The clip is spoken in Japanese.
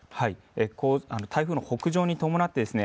台風の北上に伴ってですね